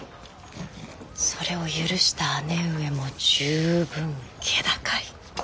それを許した姉上も十分気高い。